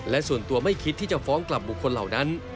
และส่วนตัวไม่คิดที่จะฟ้องกลับบุคคลเหล่านั้น